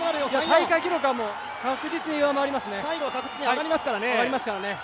大会記録は確実に上回りますね。